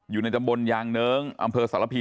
อยู่ในจำบลยังเนิ้งชาวท์สรพี